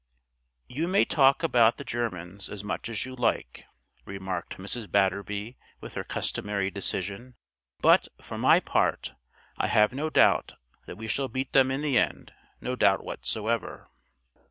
I. "YOU may talk about the Germans as much as you like," remarked Mrs. Batterby with her customary decision; "but, for my part, I have no doubt that we shall beat them in the end: no doubt whatsoever!"